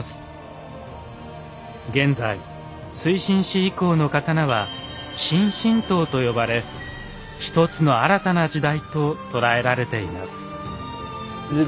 現在水心子以降の刀は「新々刀」と呼ばれ一つの新たな時代と捉えられています。